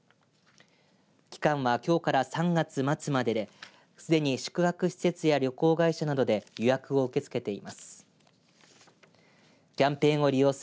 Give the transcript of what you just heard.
期間は、きょうから３月末までですでに宿泊施設や旅行会社などで予約を受け付けています。